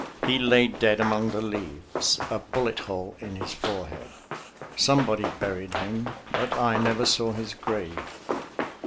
He lay dead among the leaves, a bullet hole in his forehead. Somebody buried him, but I never saw his grave.